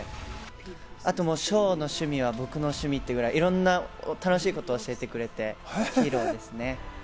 あと、紫耀の趣味は僕の趣味っていうくらい、いろんな楽しいことを教えてくれてヒーローです。